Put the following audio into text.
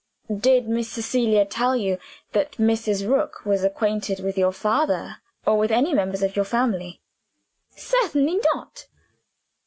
"Did Miss Cecilia tell you that Mrs. Rook was acquainted with your father or with any members of your family?" "Certainly not!"